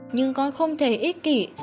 nhưng con không thể ích kỷ